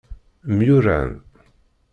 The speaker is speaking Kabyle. Myuran.